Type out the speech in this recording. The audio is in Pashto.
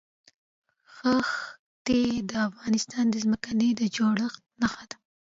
ښتې د افغانستان د ځمکې د جوړښت نښه ده.